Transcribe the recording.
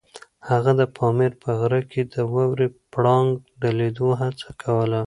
هغه د پامیر په غره کې د واورې پړانګ د لیدو هڅه کوله.